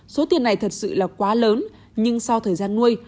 số tiền này thật sự là quá lớn nhưng sau thời gian nuôi